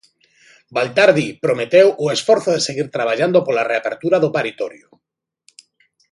Baltar, di, prometeu "o esforzo de seguir traballando pola reapertura do paritorio".